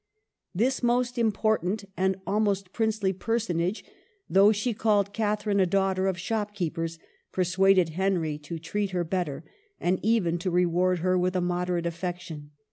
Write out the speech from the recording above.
This most important and almost princely per sonage, though she called Catherine a daughter of shopkeepers, persuaded Henry to treat her better, and even to reward her with a moderate affection.